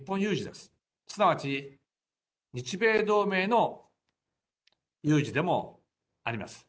すなわち日米同盟の有事でもあります。